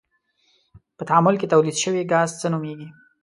په تعامل کې تولید شوی ګاز څه نومیږي؟